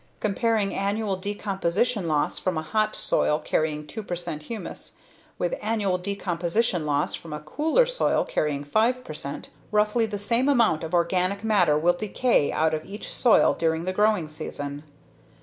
Comparing annual decomposition loss from a hot soil carrying 2 percent humus with annual decomposition loss from a cooler soil carrying 5 percent, roughly the same amount of organic matter will decay out of each soil during the growing season.